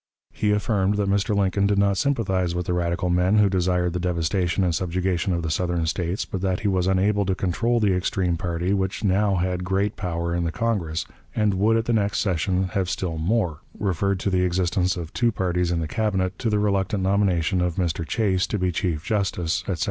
He affirmed that Mr. Lincoln did not sympathize with the radical men who desired the devastation and subjugation of the Southern States, but that he was unable to control the extreme party, which now had great power in the Congress, and would at the next session have still more; referred to the existence of two parties in the Cabinet, to the reluctant nomination of Mr. Chase to be Chief Justice, etc.